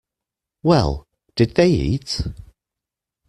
Well, did they eat.